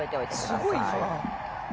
すごいな。